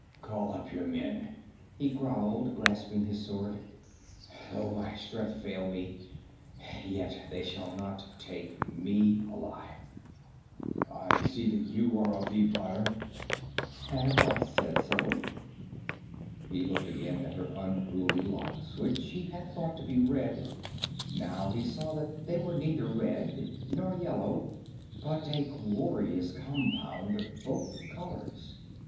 "Call up your men," he growled, grasping his sword. "Though my strength fail me, yet they shall not take me alive. I see that you are of the Vanir." "Have I said so?" He looked again at her unruly locks, which he had thought to be red. Now he saw that they were neither red nor yellow, but a glorious compound of both colors.